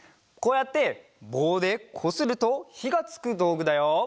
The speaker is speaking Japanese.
こうやってぼうでこするとひがつくどうぐだよ。